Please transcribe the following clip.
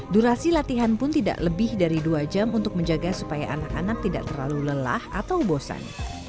durasi latihan pun tidak lebih dari dua jam untuk menjaga supaya anak anak tidak terlalu lelah atau bosan